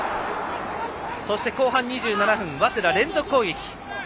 後半２７分早稲田、連続攻撃。